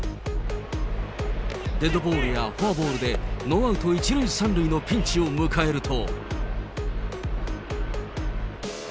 デッドボールやフォアボールでノーアウト１塁３塁のピンチを迎えると。